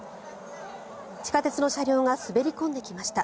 地下鉄の車両が滑り込んできました。